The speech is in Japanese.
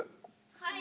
はい！